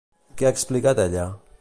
Què ha explicat ella?